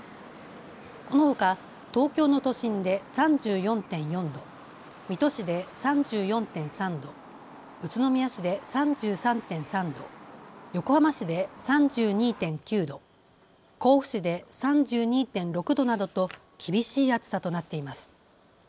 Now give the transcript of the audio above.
このほか東京の都心で３４．４度、水戸市で３４．３度、宇都宮市で３３．３度、横浜市で３２．９度、甲府市で３２．６度などと厳しい暑さとなっています。